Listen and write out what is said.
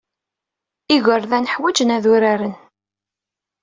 Igerdan ḥwajen ad uraren.